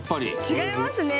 違いますね